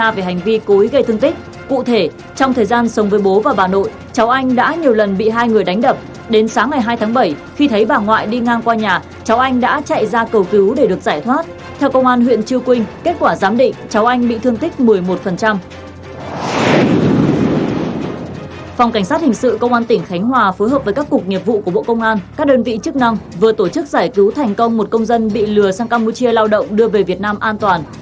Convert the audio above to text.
phòng cảnh sát hình sự công an tỉnh khánh hòa phối hợp với các cục nghiệp vụ của bộ công an các đơn vị chức năng vừa tổ chức giải cứu thành công một công dân bị lừa sang campuchia lao động đưa về việt nam an toàn